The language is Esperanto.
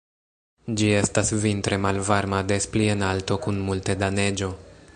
Ĝi estas vintre malvarma des pli en alto, kun multe da neĝo.